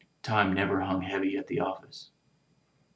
Time never hung heavy at the office.